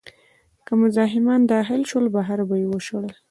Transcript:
که مزاحمان داخل شول، بهر به یې وشړل.